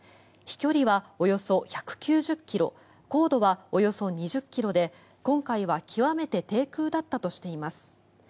飛距離はおよそ１９０ｋｍ高度はおよそ２０ｋｍで今回は極めて低空だったとしています。